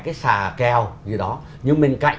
cái xà kèo như đó nhưng bên cạnh